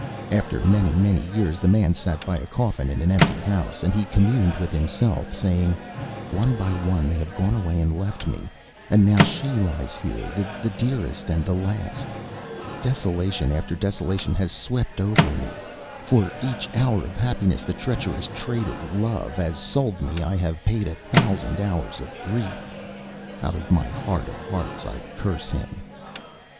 After many, many years the man sat by a coffin, in an empty home. And he communed with himself, saying: "One by one they have gone away and left me; and now she lies here, the dearest and the last. Desolation after desolation has swept over me; for each hour of happiness the treacherous trader, Love, has sold me I have paid a thousand hours of grief. Out of my heart of hearts I curse him."